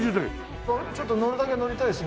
ちょっと乗るだけ乗りたいですね。